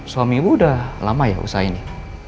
suami ibu udah lama ya usahainya